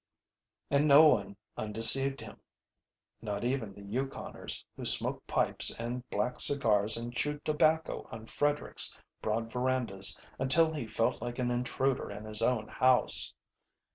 And no one undeceived him not even the Yukoners, who smoked pipes and black cigars and chewed tobacco on Frederick's broad verandas until he felt like an intruder in his own house.